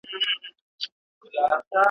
ما به څرنګه پر لار کې محتسب خانه خرابه ,